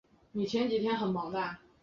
整修期间恕不开放参观